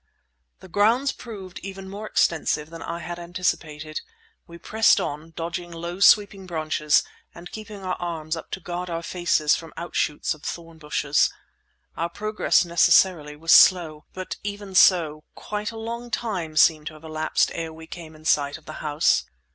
The grounds proved even more extensive than I had anticipated. We pressed on, dodging low sweeping branches and keeping our arms up to guard our faces from outshoots of thorn bushes. Our progress necessarily was slow, but even so quite a long time seemed to have elapsed ere we came in sight of the house.